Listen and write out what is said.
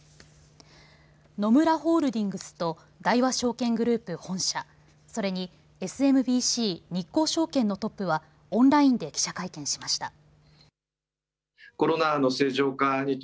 野村ホールディングスと大和証券グループ本社、それにＳＭＢＣ日興証券のトップはオンラインで記者会見しました。